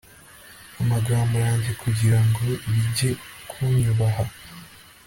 amagambo yanjye kugira ngo bige kunyubaha